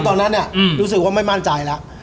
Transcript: ตอนนั้นน่ะรู้สึกว่ามันไม่มั่นใจละ